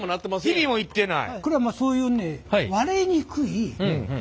ヒビもいってない。